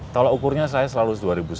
kalau ukurnya saya selalu dua ribu sepuluh